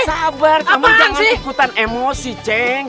sabar kamu jangan ikutan emosi ceng